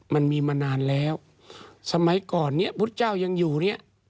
มันมีมานานแล้วสมัยก่อนเนี่ยพุทธเจ้ายังอยู่เนี่ย